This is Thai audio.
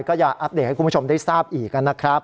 อย่าอัปเดตให้คุณผู้ชมได้ทราบอีกนะครับ